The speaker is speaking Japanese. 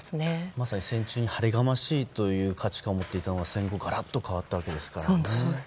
まさに戦地に晴れがましいという価値観を持っていたのが戦後、ガラッと変わったわけですから。